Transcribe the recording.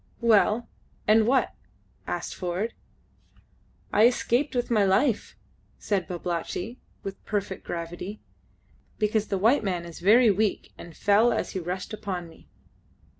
"Well, and what?" asked Ford. "I escaped with my life," said Babalatchi, with perfect gravity, "because the white man is very weak and fell as he rushed upon me."